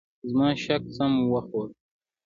زما شک سم وخوت .